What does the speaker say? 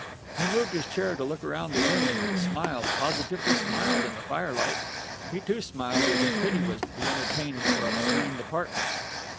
He moved his chair to look round the room that smiled, positively smiled, in the firelight. He too smiled, as if pity was to be entertained for a maligned apartment.